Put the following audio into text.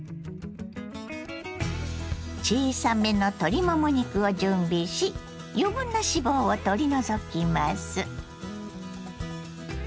小さめの鶏もも肉を準備し余分な脂肪を取り除きます。